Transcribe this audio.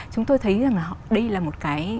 chúng tôi thấy rằng là đây là một cái